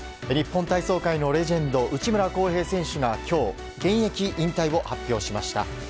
日本体操界のレジェンド内村航平選手が今日、現役引退を発表しました。